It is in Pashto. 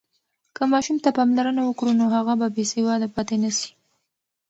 که ماشوم ته پاملرنه وکړو، نو هغه به بېسواده پاتې نه سي.